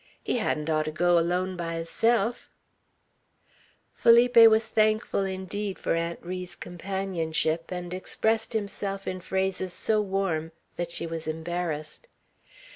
He hadn't orter go alone by hisself." Felipe was thankful, indeed, for Aunt Ri's companionship, and expressed himself in phrases so warm, that she was embarrassed.